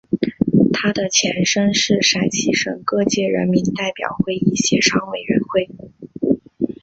它的前身是陕西省各界人民代表会议协商委员会。